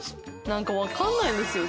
何か分かんないんですよ。